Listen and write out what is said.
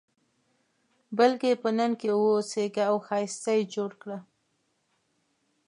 بلکې په نن کې واوسېږه او ښایسته یې جوړ کړه.